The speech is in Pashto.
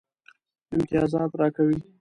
امتیازات راکوي.